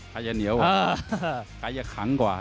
ใครจะเหนียวใครจะขังกว่า